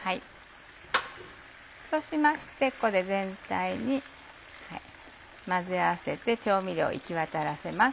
そうしましてここで全体に混ぜ合わせて調味料を行きわたらせます。